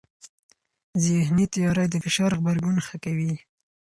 ذهني تیاری د فشار غبرګون ښه کوي.